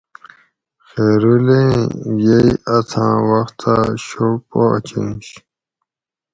خیرلو ایں یئی اتھاں وختا شو پاچینش